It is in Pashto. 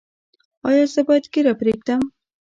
ایا زه باید ږیره پریږدم؟